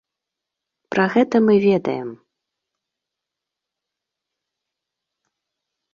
Пра гэта мы ведаем.